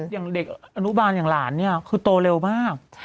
อย่างเด็กอนุบาลอย่างหลานเนี่ยคือโตเร็วมาก